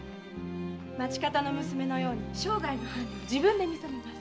町方の娘のように生涯の伴侶を自分で見初めます。